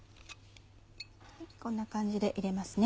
こんな感じで入れますね。